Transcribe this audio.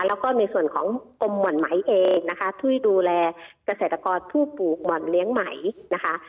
แล้วก็ในส่วนของกรมหม่อนไหมเองนะคะช่วยดูแลเกษตรกรผู้ปลูกหม่อนเลี้ยงไหมนะคะ